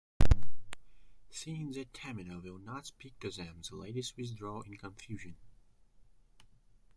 Seeing that Tamino will not speak to them, the ladies withdraw in confusion.